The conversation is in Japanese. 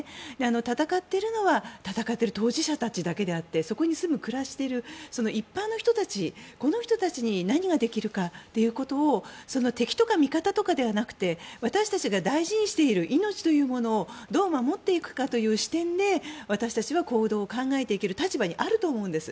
戦っているのは戦っている当事者たちだけであってそこに住み、暮らしている一般の人たちに何ができるかということを敵とか味方とかではなくて私たちが大事にしている命というものをどう守っていくかという視点で私たちは行動を考えていける立場にあると思うんです。